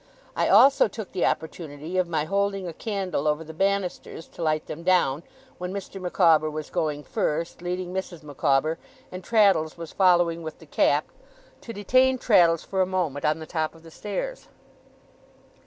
I also took the opportunity of my holding a candle over the banisters to light them down, when Mr. Micawber was going first, leading Mrs. Micawber, and Traddles was following with the cap, to detain Traddles for a moment on the top of the stairs.